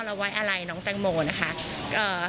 ไว้อะไรน้องแตงโมนะคะ